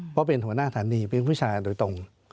เพราะเป็นหัวหน้าฐานีเป็นผู้ชายโดยตรง